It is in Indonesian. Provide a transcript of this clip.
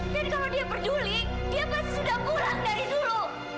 dan kalau dia peduli dia pasti sudah pulang dari dulu